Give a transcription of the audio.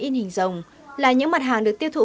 in hình rồng là những mặt hàng được tiêu thụ